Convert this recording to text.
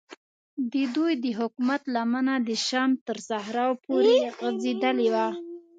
ددوی د حکومت لمنه د شام تر صحراو پورې غځېدلې وه.